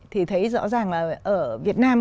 thì thấy rõ ràng là ở việt nam